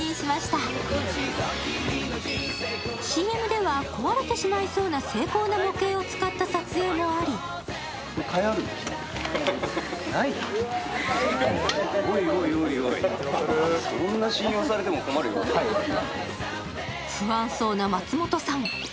ＣＭでは壊れてしまいそうな精巧な模型を使った撮影もあり不安そうな松本さん。